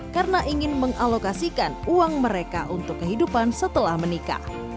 karena ingin mengalokasikan uang mereka untuk kehidupan setelah menikah